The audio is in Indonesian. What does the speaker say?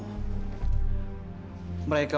mereka memang suka berjudi